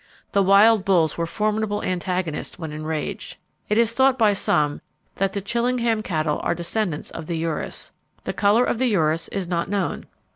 The wild bulls were formidable antagonists when enraged. It is thought by some that the Chillingham cattle are descendants of the urus. The color of the urus is not known.